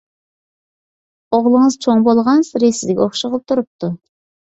ئوغلىڭىز چوڭ بولغانسېرى سىزگە ئوخشىغىلى تۇرۇپتۇ.